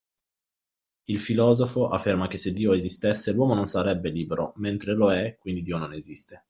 Il filosofo afferma che se Dio esistesse l'uomo non sarebbe libero mentre lo è quindi Dio non esiste.